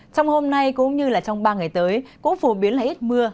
trong hôm nay cũng như trong ba ngày tới cũng phổ biến là ít mưa